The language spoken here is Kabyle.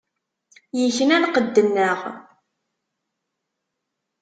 Ikna lqedd-nneɣ.